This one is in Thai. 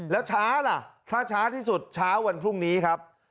แล้วช้าล่ะถ้าช้าที่สุดเช้าวันพรุ่งนี้ครับ